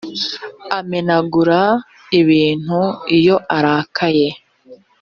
amenagura ibintu iyo arakaye.